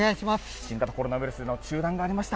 新型コロナウイルスでの中断がありました。